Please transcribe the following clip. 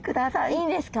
いいんですか？